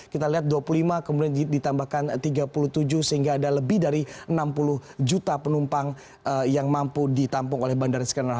kita lihat dua puluh lima kemudian ditambahkan tiga puluh tujuh sehingga ada lebih dari enam puluh juta penumpang yang mampu ditampung oleh bandara soekarno hat